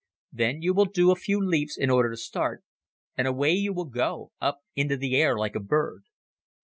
Then you will do a few leaps in order to start and away you will go up into the air like a bird.